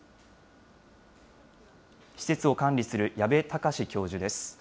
施設を管理する矢部隆教授です。